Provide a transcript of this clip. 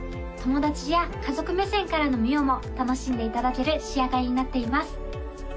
友達や家族目線からの澪も楽しんでいただける仕上がりになっています